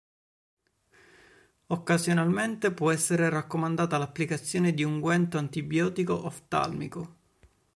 Occasionalmente può essere raccomandata l'applicazione di unguento antibiotico oftalmico.